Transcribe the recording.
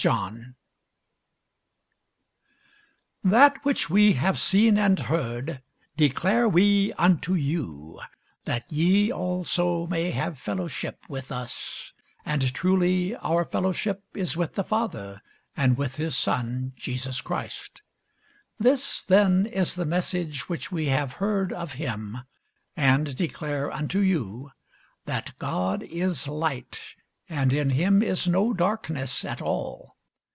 John 1] THAT which we have seen and heard declare we unto you, that ye also may have fellowship with us: and truly our fellowship is with the Father, and with his Son Jesus Christ. This then is the message which we have heard of him, and declare unto you, that God is light, and in him is no darkness at all.